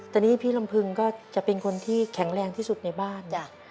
แต่นี่พี่ลำพึงก็จะเป็นคนที่แข็งแรงที่สุดในบ้าน